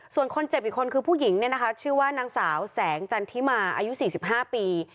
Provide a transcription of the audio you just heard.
ส่วนคนเจ็บอีกคนคือผู้หญิงเนี่ยนะคะชื่อว่านางสาวแสงจันทิมาอายุ๔๕ปี